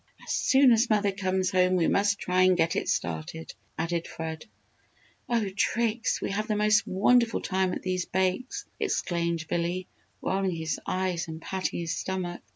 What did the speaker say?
As soon as mother comes home we must try and get it started," added Fred. "Oh, Trix, we have the most wonderful time at these bakes!" exclaimed Billy, rolling his eyes and patting his stomach.